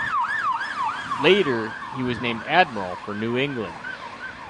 Later he was named admiral for New England.